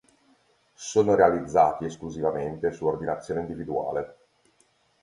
Sono realizzati esclusivamente su ordinazione individuale.